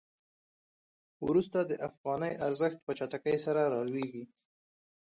وروسته د افغانۍ ارزښت په چټکۍ سره رالویږي.